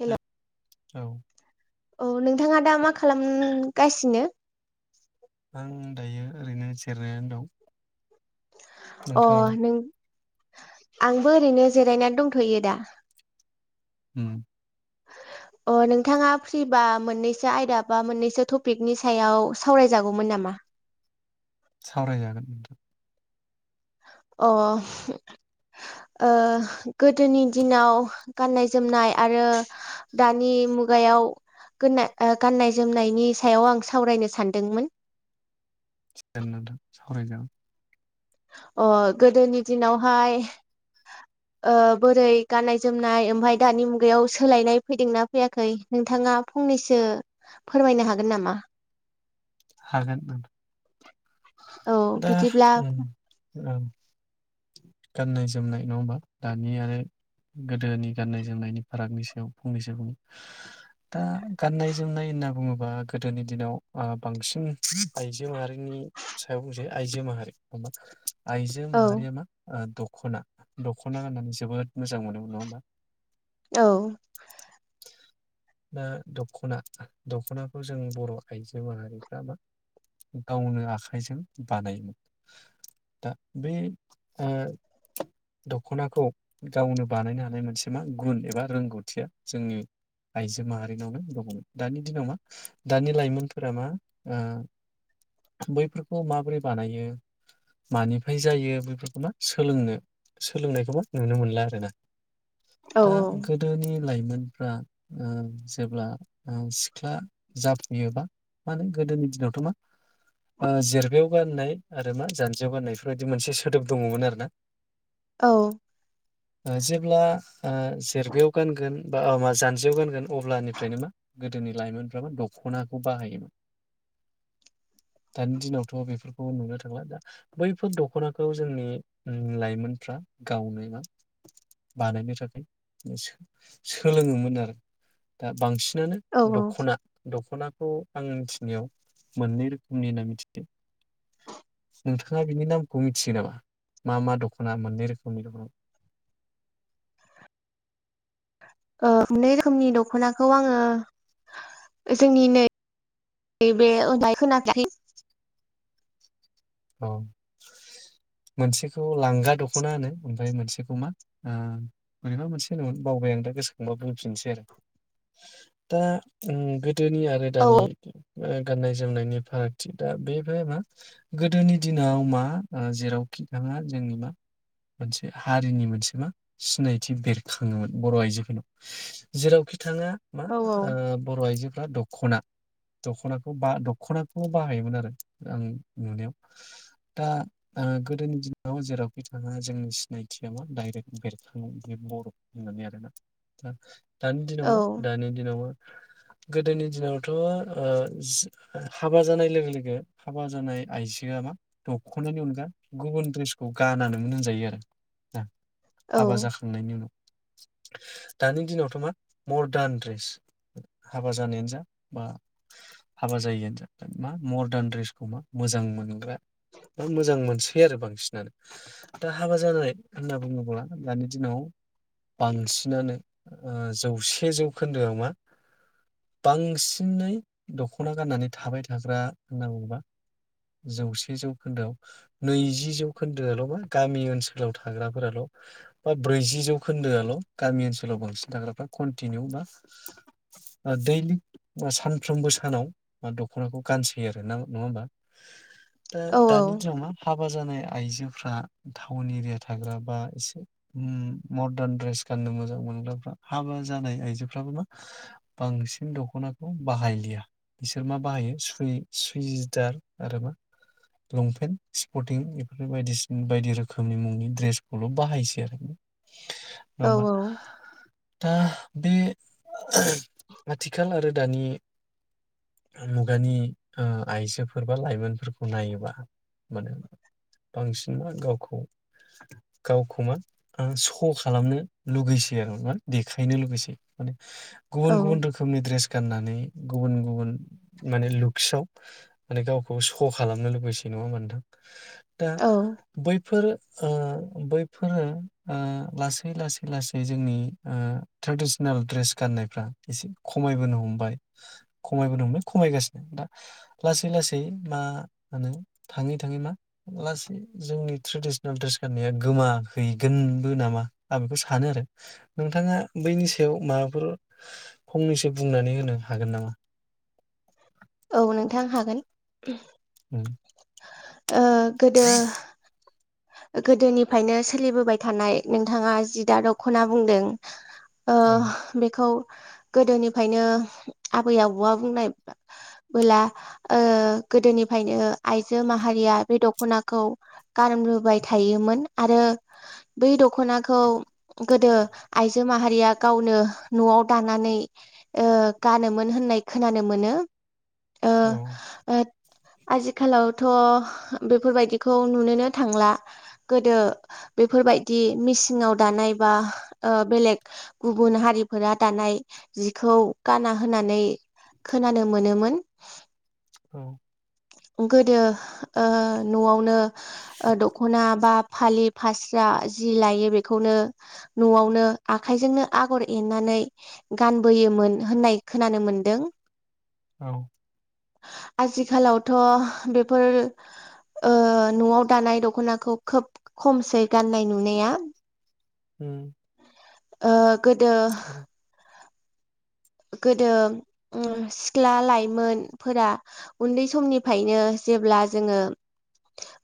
Hello औ औ नोंथाङा दा मा खालाम गासिनो? आं दायो ओरैनो जिरायनानै दं। अ नोंथाङालाय? नों आंबो ओरैनो जिरायनानै दंथयो दा उम अ नोंथांङा फ्रिबा मोननैसो आयदा बा मोननैसो टपिकनि सायाव सावरायजागौमोन नामा? सावरायजागोन नोंथां । अ ओ गोदोनि दिनाव गाननाय जोमनाय आरो दानि मुगायाव गोननाय गाननाय जोमनायनि सायाव आं सावरायनो सानदोंमोन। [unintelligible] सावरायजागोन। अ गोदोनि दिनावहाय ओ बोरै गाननाय जोमनाय ओमफाय दानि मुगायाव सोलायनाय फैदोंना फैयाखै नोंथांङा फंनैसो फोरमायनो हागोन नामा? हागोन नोंथां। औ बिदिब्ला ओम गाननाय जोमनाय नंङा होमबा? दानि आरो गोदोनि गाननाय जोमनायनि फारागनि सायाव फंनैसो बुंनि दा गाननाय जोमनाय होनना बुंङोबा गोदोनि दिनाव ओ बांसिन आइजो माहारिनि सायाव बुंसै आइजो माहारि आइजो औ माहारिया मा ओ दख खना दख'ना गाननानै जोबोद मोजां मोनोमोन नंङा होमबा? औ दा दख'ना दख'नाखौ जों बर'आइजो माहारिफ्रा मा गावनो आख जों बानायमोन दा बे ओ दख'नाखौ गावनो बानायनो हानाय मोनसे मा गुन एबा रोंगौथिया जोंनि आइजो माहारिनावनो दंङ मोन दानि दिनाव मा दानि लाइमोनफोरा मा ओ बैफोर खौ माबोरै बानायो मानिफ्राय जायो बेफोरखौ ना सोलोंनो सोलोंनायखौबो नुनो मोनला आरोना। औ दा गोदोनि लाइमोनफ्रा ओ जेब्ला ओ सिख्ला जाफुयो बा मा नो गोदोनि दिनावथ मा ओ जेरै जौगा नाय आरो मा जानजियाव गाननाय बेफोरबायदि मोनसे सोदोब दंङ मोन आरो ना। औ जेब्ला जेरबायाव आ गानगोन बा आमा जानजियाव गानगोन अब्लानिफ्रायनो मा गोदोनि लाइमोनफ्राबो दख'नाखौ बाहायोमोन। दानि दिनाव थ बेफोरखौ नुनो थांला दा बैफोर दख'नाखौ जोंनि ओम लाइमोनफ्रा गावनो मा बानायनो थाखाय सो-सोलोंङोमोन आरो। दा बांसिनानो औ दख'ना दख'ना खौ आं मिथिनायाव मोननै रोखोमनि होना मिथि [inaudible] नोंथांङा बिनि नामखौ मिथियो नामा? मा मा दखना मोननै रोखोमनि दंङ ओ मोननै रोखोमनि दख'नाखौ आंङो जोंनि नै-नैबे [unintelligible] औ मोनसेखौ लांगा दखना होनो ओमफाय मोनसेखौ मा आ बोरेबा मोनसे होनोमोन बावबाय आं दा गोसोखांबा बुंफिनसै आरो दा ओम गोद दोनि आरो औ दानि गान्नाय जोमनायनि फारागथि दा बेनिफ्राय मा गोदोनि दिनाव मा जेरावखि थांङा जोंनि मा मोनसे हारिनि मोनसे मा सिनायथि बेरखांङोमोन बर' आइजोफोरनाव जेरावखि थांङा मा औ औ ओ बर'आइजो दा द'खना द'खनाखौ बा द'खनाखौ बाहायोमोन आं नुनायाव दा आ गोदोनि दिनाव जेरावखि थाङा जोंनि सिनायथिया मा डाइरेक्ट बेरखाङो बे बर' होननानै आरोना दा दानि दिनाव औ मा दानि दिनाव मा गोदोनि दिनावथ ओ हाबा जानाय लोगो लोगो हाबा जानाय आइजोआ मा द'खनानि अनगा गुबुन ड्रेसखौ गानानोमोन होनजायो आरो ना औ हाबा जाखांनायनि उनाव दानि दिनावथ मा मदार्न ड्रेस हाबा जानायानो जा बा हाबा जायआानो जा मा मदार्न ड्रेसखौ मोजां मोनग्रा बा मोजां मोनसै आरो बांसिनानो दा हाबा जानाय होनना बुङोब्ला दानि दिनाव बांसिनानो जौसे जौखोन्दोआव मा बांसिनै दखना गाननानै थाबाय थाग्रा होनना बुङोबा जौसे जौखोन्दोआव नैजि जौखोन्दोआल बा गामि ओनसोलाव थाग्राफोराल बा ब्रैजि जौखोन्दोआल गामि ओनसोलाव बांसिन थाग्राफ्रा कन्टिनिउ बा आ दैलि सानफ्रोमबो सानाव बा दखनाखौ गानसै आरो ना नङा होमबा दा दानि दिनाव मा हाबा जानाया आइजोफ्रा टाउन एरिया थाग्रा बा एसे मदारन ड्रेस गाननो मोजां मोनग्राफ्रा हाबा जानाय आइजोफ्राबो मा बांसिन द'खनाखौ बाहायलिया बिसोर मा बाहायो सूइ-सुइदार आरो मा लंपेन्ट स्पर्टिं बेफोर बायदिसिना बायदि रोखोमनि मुंनि दड्रेसखौल बाहायसै आरो औ होमबा औ दा बे ओ आथिखाल आरो दानि मुगानि ओ आइजोफो फोरबा लाइमोनफोरखौ नायोबा मोन बांसिन मा गावखौ गावखौ मा सश खालामनो लुगैसै आरो मा देखायनो लुगैसै माने औ गुबुन गुबुन रोखोमनि दड्रेस गाननानै गुबुन गुबुन माने लुक्सआव माने गावखौ श खालामनो लुबैसै नङा होनबा मानोंथां दा औ बैफोर ओ बैफोरो ओ लासै लासै लासै जोंनि ओ ट्रेडिसनेल ड्रेस गाननायफ्रा एसे खमायबोनो हमबाय खमायबोनो हमबाय खमायगासिनो दा लासै लासै मा होनो थाङै थाङै मा लासै जोंनि ट्रेडिसनेल ड्रेस गाननाया गोमाहैगोनबो नामा आं बेखौ सानो आरो नोंथाङा बैनि सायाव माबाफोर फंनैसो बुंनानै होनो हागोन नामा औ नोंथां हागोन ओ ओ गोदो गोदोनिफ्रायनो सोलिबोबाय थानाय नोंथाङा जि दा द'खना बुंदों ओ औ बेखौ गोदोनिफ्रायनो आबै आबौआ बुंनाय बोला ओ गोदोनिफ्रायनो आइजो माहारिया बे द'खनाखौ गानबोबाय थायोमोन आरो बै द'खनाखौ गोदो आइजो माहारिया गावनो न'आव दानानै ओ गानोमोन होननाय खोनानो मोनो। ओ औ ओ आजिखालावथ' बेफोरबायदिखौ नुनोनो थांला गोदो बेफोरबायदि मिसिङाव दानाय बा बेलेग गुबुन हारिफोरा दानाय जिखौ गाना होनानै खोनानो मोनोमोन। औ गोदो ओ न'आवनो ओ द'खना बा फालि फास्रा जि लायो बेखौनो न'आवनो आखाइजोंनो आगर एरनानै गानबोयोमोन होननाय खोनानो मोनदों। औ। आजिखालाव थ बेफोर ओ न'आव दानाय द'खनाखौ खोब खमसै गाननाय नुनाया। हम ओ गोदो गोदो सिख्ला लाइमोनफोरा उन्दै समनिफ्रायनो जेब्ला जोङो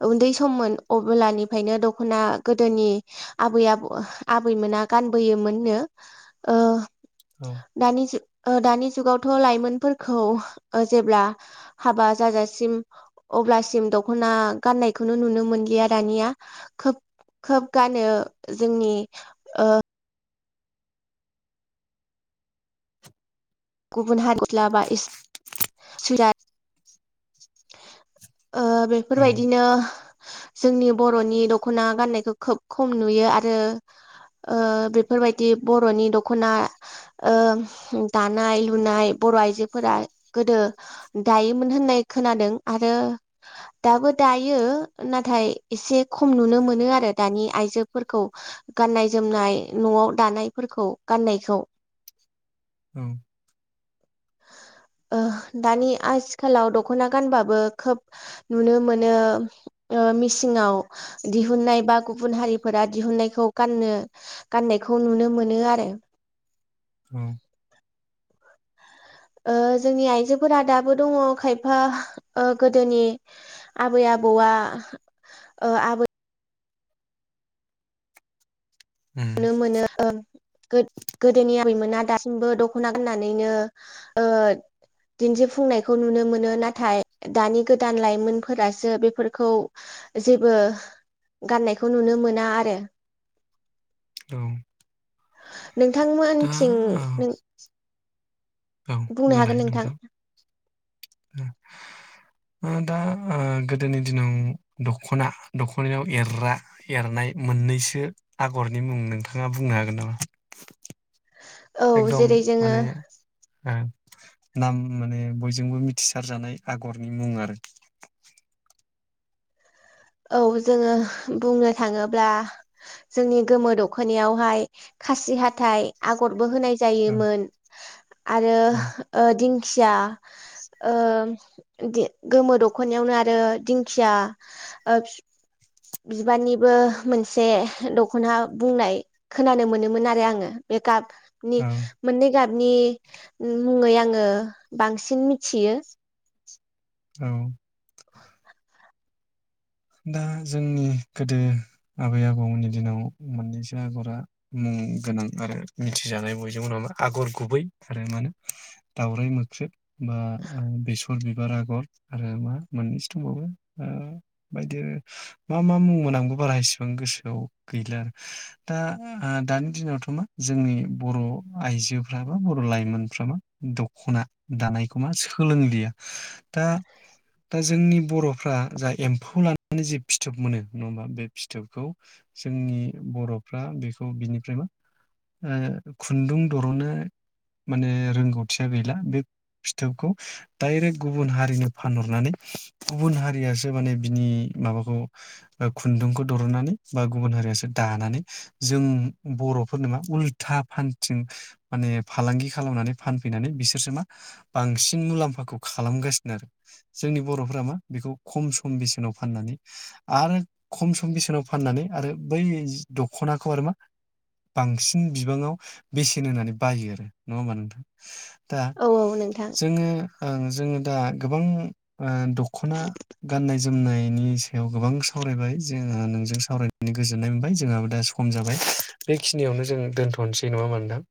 उन्दै सममोन अब्लानिफ्रायनो दखना गोदोनि आबै आब आबैमोना गानबोयोमोननो ओ औ। दानि जुग ओ दानि जुगावथ लाइमोनफोरखौ ओ जेब्ला हाबा जाजासिम अब्लासिम दखना गाननायखौनो नुनो मोनलिया दानिया खोब खोब गानो जोंनि ओ [unintelligible] ओ औ बेफोरबायदिनो जोंनि बर'नि दखना गाननायखौ खोब खम नुयो आरो ओ बेफोरबायदि बरनि दखना ओ दानाय लुनाय बर' आइजोफोरा गोदो दायोमोन होननाय खोनादों आरो दाबो दायो नाथाय एसे खम नुनो मोनो आरो दानि आइजोफोरखौ गाननाय जोमनाय न'आव दानायफोरखौ गाननायखौ। औ। ओह दानि आथिखालाव दख दखना गानबाबो खोब नुनो मोनो ओ मिसिङाव दिहुनाय बा गुबुन हारिफोरा दिहुन्नायखौ गाननो गाननायखौ नुनो मोनो आरो। औ ओ जोंनि आइजोफोरा दाबो दङ खायफा ओ गोदोनि आबै आबौआ ओ आबै उम नुनो मोनो गो-गोदोनिया बैमोना दासिमबो दखना गाननानैनो ओ दिन्थिफुंनायखौ नुनो मोनो नाथाय दानि गोदान लाइमोनफोरासो बेफोरखौ जेबो गाननायखौ नुनो मोनाआरो औ। दा नोंथांमोनथिं औ नों औ बुंनो बुंलाय हागोन नोंथां। ओ दा गोदोनि दिनाव दखना दखनायाव एरग्रा एरनाय मोननैसो आगरनि मुं नोंथाङा बुंनो हागोन नामा? औ एकदम जेरै जोङो माने ओ नाम माने बयजोंबो मिथिसारजानाय आगरनि मुं आरो। औ जोङो बुंनो थाङोब्ला जोंनि गोमो दखनायावहाय खासि हाथाय आगर बो होनाय औ जायोमोन। आरो औ ओ दिं खिया ओम दि गोमो दखनायावनो आरो दिंखिया ओबस बिबारनिबो मोनसे दखना बुंनाय खोनानो मोनोमोन आरो आङो बे गाब नि औ मोननै गाबनि मुङै आङो बांसिन मिथियो औ दा जोंनि गोदो आबै आबौमोननि दिनाव मोननैसो आगरआ मुं गोनां आरो मिथिजानाय बयजोंबो नङा होमबा आगर गुबै आरो मा होनो दावराइ मोख्रेब बा ओ बेसर बिब बार आगर आरो मा मोननैसो दंबावो आ बायदि मा मा मुं मोन आंबो बारा इसिबां गोसोआव गैला आरो दा ओ दानि दिनावथ मा जोंनि बर आइजोफ्राबो बर लाइमोनफ्राबो दखना दानायखौ मा सोलोंलिया दा दा जोंनि बरफ्रा जा एम्फ फौ लानानै जि फिथोब मोनो नङा होमबा बे फिथोबखौ जोंनि बरफ्रा बेखौ बिनिफ्राय मा ओ खुन्दुं दरननो माने रोंगौथिया गैला बे फिथोबखौ डाइरेक्ट गुबुन हारिनो फानहरनानै गुबुन हारियासो माने बिनि माबाखौ ओ खुन्दुंखौ दरनानै बा गुबुन हारियासो दानानै जों बरफोरनो मा उल्था फानथिं माने फालांगि खालामनानै फानफैनानै बिसोरसो मा बांसिन मुलाम्फाखौ खालामगासिनोजोंनि बरफ्रारा मा बेखौ खम स खम बेसेनाव फाननानै आरो खम सम बेसेनाव फाननानै आरो बै जि दखनाखौ आरो मा बांसिन बिबाङाव बेसेन होनानै बायो आरो नङा होमबा नोंथां? दा औ औ नोंथां जोङो ओं जोङो दा गोबां ओ दखना गाननाय जोमनायनि सायाव गोबां सावरायबाय जोङो नोंजों सावरायनानै गोजोननाय मोनबाय जोंहाबो दा सम जाबाय बेखिनियावनो जों दोनथ नोसै नङा होमबा नोंथां?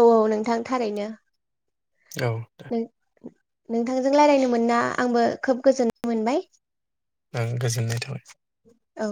औ औ नोंथां थारैनो औ दे नोंथांजों रायलायनो मोनना आंबो खोब गोजोननाय मोनबाय ओं गोजोननाय थाबाय औ